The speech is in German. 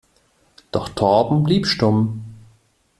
Doch Torben blieb stumm.